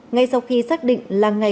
ngay sau khi xác định là ngày